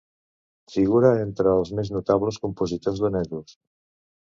Figura entre els més notables compositors danesos.